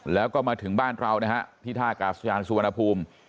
แล้วก็มาถึงบ้านเรานะฮะที่ท่ากาศยานสุวรรณภูมิ